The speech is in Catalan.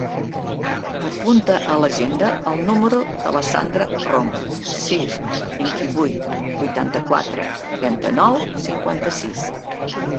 Apunta a l'agenda el número de la Sandra Roma: sis, vint-i-vuit, vuitanta-quatre, trenta-nou, cinquanta-sis.